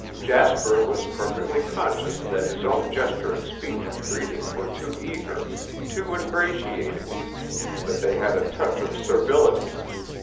Jasper was perfectly conscious that his own gesture and speech of greeting were too eager, too ingratiating, that they had a touch of servility.